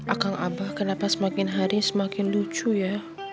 akang abah kenapa semakin hari semakin lucu ya